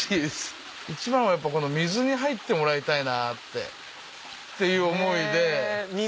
一番はこの水に入ってもらいたいなぁっていう思いで。